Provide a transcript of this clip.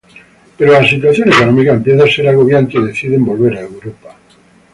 Pero la situación económica empieza a ser agobiante y deciden volver a Europa.